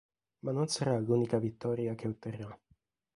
Ma non sarà l'unica vittoria che otterrà.